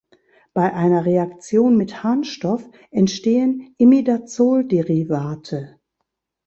Bei einer Reaktion mit Harnstoff entstehen Imidazol-Derivate.